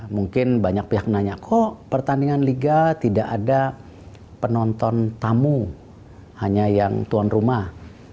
mungkin banyak pihak nanya kok pertandingan liga tidak ada penonton tamu hanya yang tuan rumah